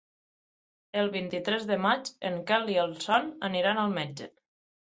El vint-i-tres de maig en Quel i en Sol aniran al metge.